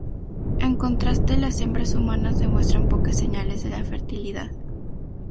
En contraste, las hembras humanas demuestran pocas señales de la fertilidad.